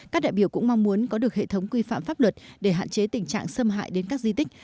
các đại biểu cũng mong muốn có được hệ thống quy phạm pháp luật để hạn chế tình trạng xâm hại đến các di tích